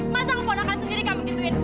masa keponakan sendiri kamu gituin